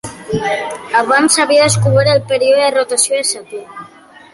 Abans havia descobert el període de rotació de Saturn.